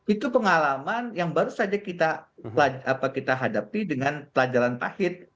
itu pengalaman yang baru saja kita hadapi dengan pelajaran pahit